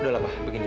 udah lah pak begini